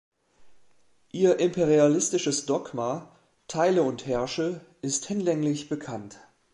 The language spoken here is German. Ihr imperialistisches Dogma "Teile und herrsche" ist hinlänglich bekannt.